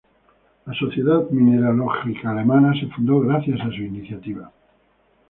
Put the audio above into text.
La Sociedad Mineralógica Alemana se fundó gracias a su iniciativa.